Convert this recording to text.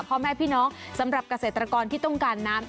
พ่อแม่พี่น้องสำหรับเกษตรกรที่ต้องการน้ำ